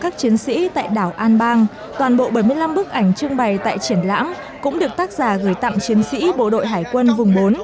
các chiến sĩ tại đảo an bang toàn bộ bảy mươi năm bức ảnh trưng bày tại triển lãm cũng được tác giả gửi tặng chiến sĩ bộ đội hải quân vùng bốn